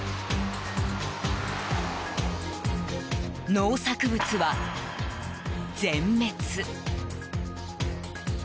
農作物は全滅。